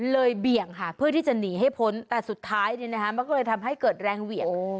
เบี่ยงค่ะเพื่อที่จะหนีให้พ้นแต่สุดท้ายมันก็เลยทำให้เกิดแรงเหวี่ยง